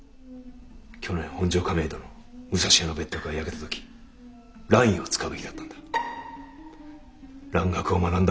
去年本所亀戸の武蔵屋の別宅が焼けた時蘭医を使うべきだったんだ。